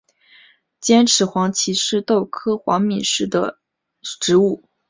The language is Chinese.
尖齿黄耆是豆科黄芪属的植物。